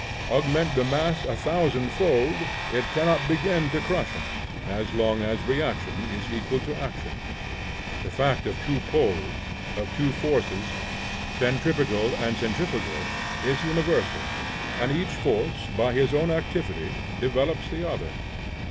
Augment the mass a thousand fold, it cannot begin to crush us, as long as reaction is equal to action. The fact of two poles, of two forces, centripetal and centrifugal, is universal, and each force by its own activity develops the other.